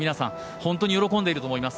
本当に喜んでいると思います。